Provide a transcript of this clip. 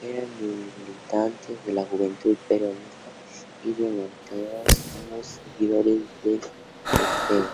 Eran militantes de la Juventud Peronista y de Montoneros, ambos seguidores del Tte.